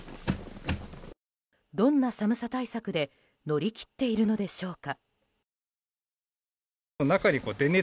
どんな寒さ対策で乗り切っているのでしょうか。